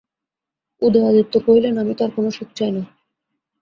উদয়াদিত্য কহিলেন, আমি তো আর কোনো সুখ চাই না।